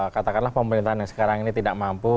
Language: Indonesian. katakanlah pemerintahan yang sekarang ini tidak mampu